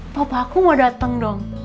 top aku mau datang dong